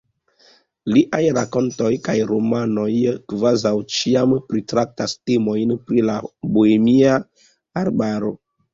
Liaj rakontoj kaj romanoj kvazaŭ ĉiam pritraktas temojn pri la Bohemia Arbaro.